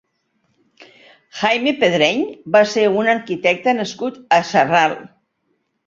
Jaime Pedreny va ser un arquitecte nascut a Sarral.